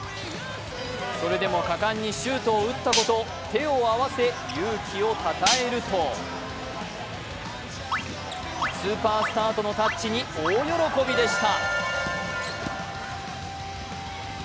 それでも果敢にシュートを打った子と手を合わせ勇気をたたえるとスーパースターとのタッチに大喜びでした。